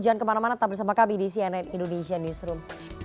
jangan kemana mana tetap bersama kami di cnn indonesia newsroom